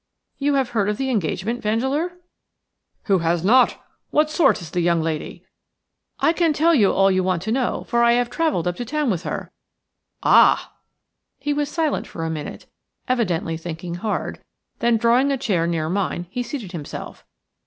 "You have heard of the engagement, Vandeleur?" "Who has not? What sort is the young lady?" "I can tell you all you want to know, for I have travelled up to town with her." "Ah!" He was silent for a minute, evidently thinking hard; then drawing a chair near mine he seated himself.